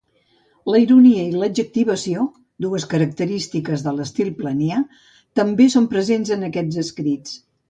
La ironia i l'adjectivació, dues característiques de l'estil planià, també són presents en aquests escrits.